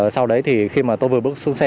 sau đấy khi tôi vừa bước xuống xe